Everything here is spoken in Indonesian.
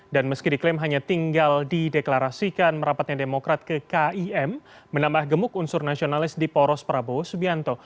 dan meski diklaim hanya tinggal dideklarasikan merapatnya demokrat ke kim menambah gemuk unsur nasionalis di poros prabowo subianto